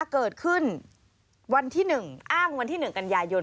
เกิดขึ้นวันที่๑อ้างวันที่๑กันยายน